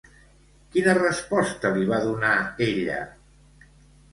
Quina resposta li va donar, ella?